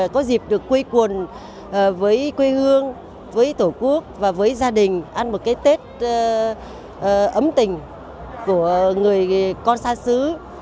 có dịp được quây quần với quê hương với tổ quốc và với gia đình ăn một cái tết ấm tình của người con xa xứ